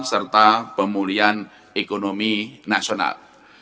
serta pemulihan ekonomi nasional